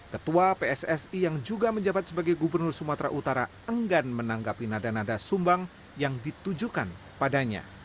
ketua pssi yang juga menjabat sebagai gubernur sumatera utara enggan menanggapi nada nada sumbang yang ditujukan padanya